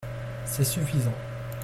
C’est suffisant.